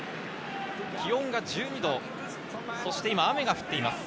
気温が１２度、そして今、雨が降っています。